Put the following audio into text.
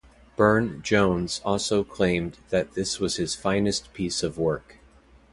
Burne-Jones also claimed that this was his finest piece of work.